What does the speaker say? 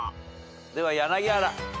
では柳原。